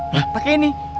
hah pake ini